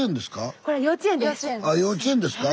あ幼稚園ですか。